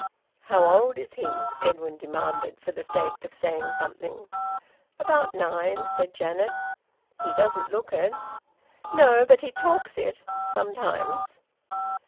"How old is he?" Edwin demanded, for the sake of saying something. "About nine," said Janet. "He doesn't look it." "No, but he talks it sometimes."